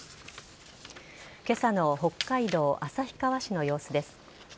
今朝の北海道旭川市の様子です。